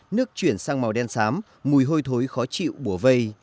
nước chuyển sang màu đen xám mùi hôi thối khó chịu bùa vây